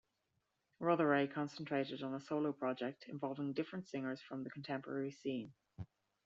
Rotheray concentrated on a solo project involving different singers from the contemporary scene.